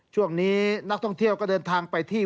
ช่วงนี้นักท่องเที่ยวก็เดินทางไปที่